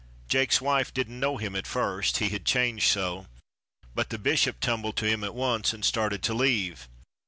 Jake's wife didn't know him at first, he had changed so, but the bishop tumbled to him at once and started to leave.